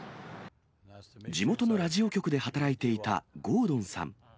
地元のラジオ局で働いていたゴードンさん。